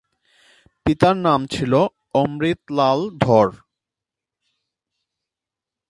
পিতার নাম ছিল অমৃতলাল ধর।